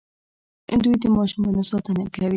دوی د ماشومانو ساتنه کوي.